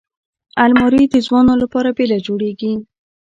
الماري د ځوانو لپاره بېله جوړیږي